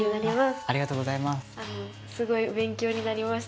ありがとうございます。